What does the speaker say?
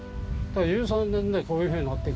１３年でこういうふうになっていく。